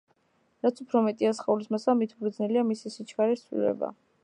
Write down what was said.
რაც უფრო მეტია სხეულის მასა, მით უფრო ძნელია მისი სიჩქარის ცვლილება